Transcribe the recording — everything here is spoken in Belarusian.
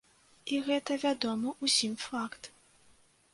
І гэта вядомы ўсім факт.